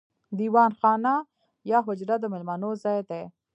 دیوان خانه یا حجره د میلمنو ځای دی.